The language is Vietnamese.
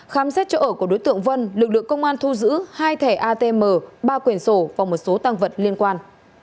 khám xét chỗ ở của đối tượng vân lực lượng công an thu giữ hai thẻ atm ba quyền sổ và một số tăng vật liên quan